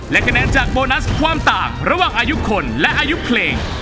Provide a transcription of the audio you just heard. และคะแนนจากโบนัสความต่างระหว่างอายุคนและอายุเพลง